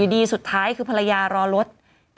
อยู่ดีสุดท้ายคือภรรยารอรถ๗วัน